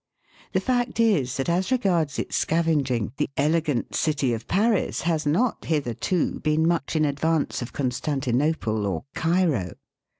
The fact is, that as regards its scavenging, the elegant city of Paris has not hitherto been much in advance of Constantinople or Cairo.